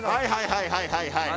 はいはい、はいはい。